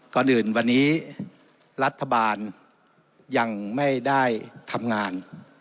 ก่อนอื่นวันนี้รัฐบาลยังไม่ได้ทำงาน